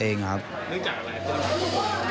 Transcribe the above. เนื่องจากอะไร